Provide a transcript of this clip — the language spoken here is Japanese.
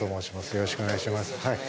よろしくお願いします。